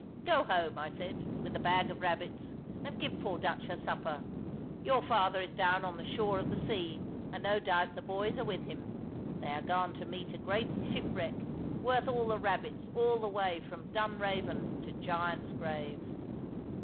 "Go home," I said, "with the bag of rabbits, and give poor Dutch her supper. Your father is down on the shore of the sea, and no doubt the boys are with him. They are gone to meet a great shipwreck, worth all the rabbits all the way from Dunraven to Giant's Grave."